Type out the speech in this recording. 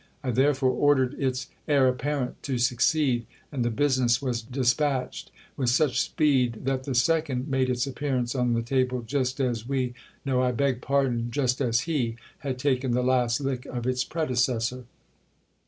I therefore ordered its heir apparent to succeed ; and the business was despatched with such speed, that the second made its appearance on the table, just as we ;— no :— I beg pardon ; —just as he had taken the last lick of its predecessor.